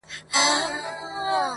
دا څو شپې کيږي له يوسفه سره لوبې کوم_